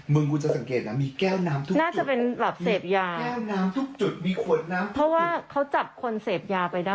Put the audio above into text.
มึงคุณจะสังเกตนะมีแก้วน้ำทุกจุด